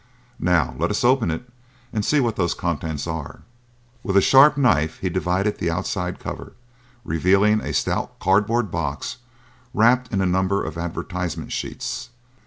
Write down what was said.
Now let us open it and see what those contents are." With a sharp knife he divided the outside cover, revealing a stout cardboard box wrapped in a number of advertisement sheets.